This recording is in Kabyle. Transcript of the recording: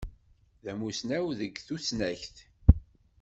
D amussnaw deg tussnakt.